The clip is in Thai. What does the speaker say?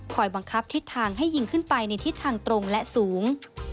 บังคับทิศทางให้ยิงขึ้นไปในทิศทางตรงและสูง